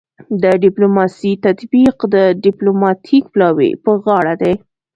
د ډیپلوماسي تطبیق د ډیپلوماتیک پلاوي په غاړه دی